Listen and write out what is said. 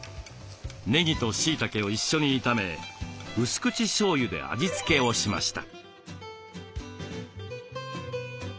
ねぎとしいたけを一緒に炒めうす口しょうゆで味付けをしました。